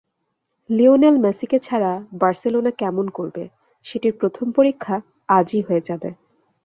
Lionel মেসিকে ছাড়া Barcelona কেমন করবে, সেটির প্রথম পরীক্ষা আজই হয়ে যাবে।